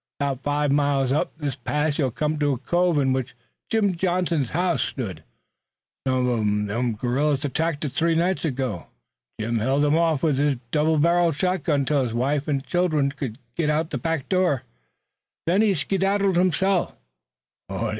"'Bout five miles up this pass you'll come to a cove in which Jim Johnson's house stood. Some uv them gorillers attacked it, three nights ago. Jim held 'em off with his double barreled shotgun, 'til his wife an' children could git out the back way. Then he skedaddled hisself.